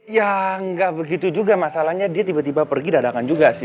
ya nggak begitu juga masalahnya dia tiba tiba pergi dadakan juga sih